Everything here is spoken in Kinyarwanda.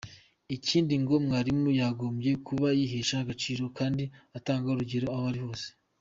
Ikindi ngo mwarimu yagombye kuba yihesha agaciro kandi atanga urugero aho ari hose.